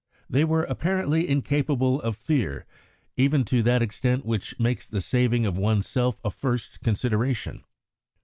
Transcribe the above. They were apparently incapable of fear, even to that extent which makes the saving of one's self a first consideration.